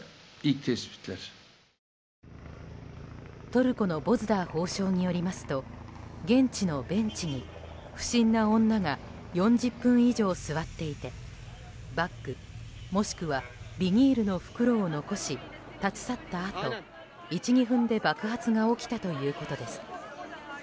トルコのボズダー法相によりますと現地のベンチに不審な女が４０分以上座っていてバッグ、もしくはビニールの袋を残し立ち去ったあと１２分で爆発が起きたということです。